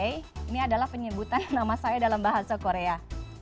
ini adalah penyebutan nama saya dalam bahasa korea